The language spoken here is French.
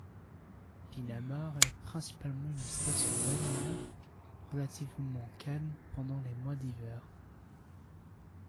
Pinamar est principalement une station balnéaire, relativement calme pendant les mois d'hiver.